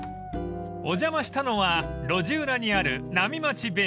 ［お邪魔したのは路地裏にある］